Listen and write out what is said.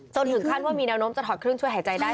ถึงขั้นว่ามีแนวโน้มจะถอดเครื่องช่วยหายใจได้